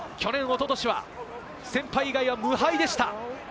去年、一昨年は不戦敗以外は無敗でした。